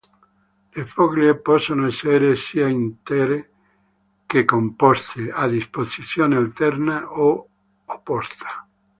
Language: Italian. Le foglie possono essere sia intere che composte, a disposizione alterna o opposta.